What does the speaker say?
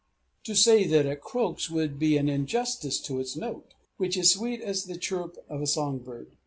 To say that it croaks would be an injustice to its note, which is sweet as the chirrup of a song bird.